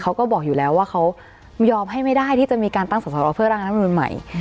เขาก็บอกอยู่แล้วว่าเขายอมให้ไม่ได้ที่จะมีการตั้งสอสรเพื่อร่างรัฐมนุนใหม่